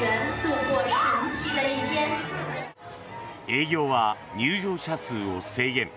営業は入場者数を制限。